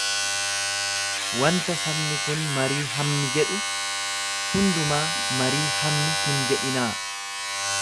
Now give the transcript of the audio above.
Wanta sabni kun marii hammi jedhu hundumaa marii hammi hin jedhinaa.